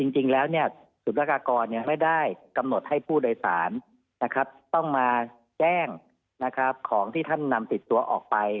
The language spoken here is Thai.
จริงแล้วศูนย์ละกากรไม่ได้กำหนดให้ผู้โดยสารต้องมาแจ้งของที่ท่านนำติดตัวออกไป